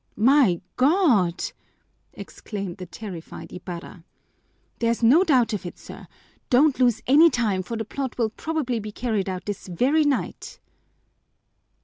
"My God!" exclaimed the terrified Ibarra. "There's no doubt of it, sir. Don't lose any time, for the plot will probably be carried out this very night."